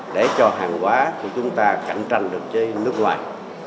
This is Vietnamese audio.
để cho hàng hóa của chúng ta cạnh tranh được với nước ngoài